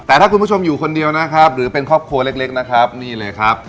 แต่ถ้าคุณผู้ชมอยู่คนเดียวนะครับหรือเป็นครอบครัวเล็กนะครับนี่เลยครับ